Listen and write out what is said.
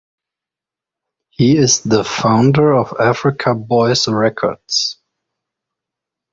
He is the founder of Africa boyz records.